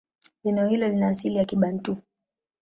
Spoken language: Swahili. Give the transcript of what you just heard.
Neno hilo lina asili ya Kibantu.